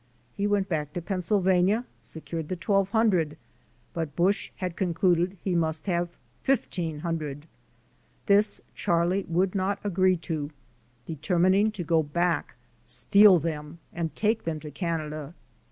He went back to Pennsylvania, secured the $1200 but Busch had con cluded he must have $1500. This Charlie would not agree to, determining to go back, steal them, and take them to Canada.